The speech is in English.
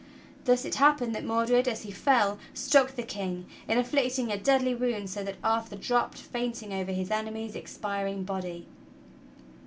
Thus it happened that Mordred, as he fell, struck the King, inflicting a deadly wound so that Arthur dropped fainting over his enemy's expiring body.